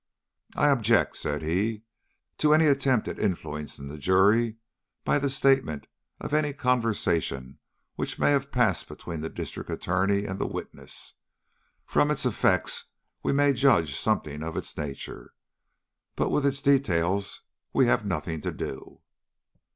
"I object," said he, "to any attempt at influencing the jury by the statement of any conversation which may have passed between the District Attorney and the witness. From its effects we may judge something of its nature, but with its details we have nothing to do."